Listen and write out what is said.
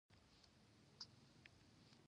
بیا هم دوی په شرکت کې هر کاره وي